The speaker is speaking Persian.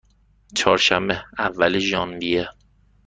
چهارشنبه، اول ژانویه